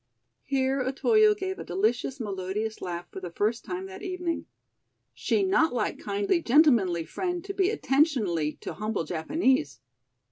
Here Otoyo gave a delicious melodious laugh for the first time that evening. "She not like kindly gentlemanly friend to be attentionly to humble Japanese."